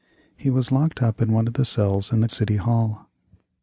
He was locked up in one of the cells in the City Hall.